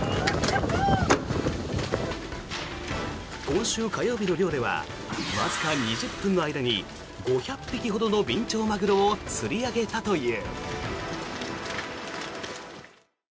今週火曜日の漁ではわずか２０分の間に５００匹ほどのビンチョウマグロを釣り上げたという。